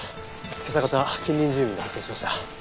今朝方近隣住民が発見しました。